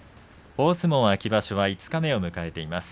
大相撲秋場所は五日目を迎えています。